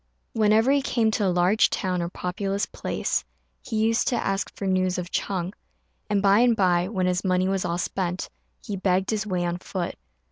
Whenever he came to a large town or populous place he used to ask for news of Ch'êng; and by and by, when his money was all spent, he begged his way on foot.